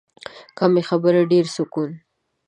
کمې خبرې، ډېر سکون.